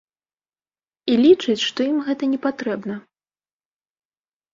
І лічыць, што ім гэта не патрэбна.